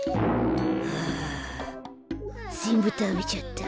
あぜんぶたべちゃった。